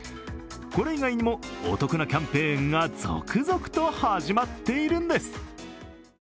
これ以外にも、お得なキャンペーンが続々と始まっているんです！